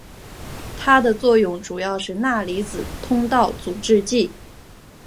它的作用主要是钠离子通道阻滞剂。